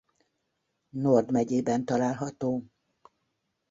Nord megyében található.